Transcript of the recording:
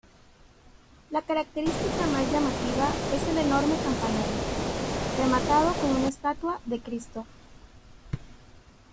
La característica más llamativa es el enorme campanario, rematado con una estatua de Cristo.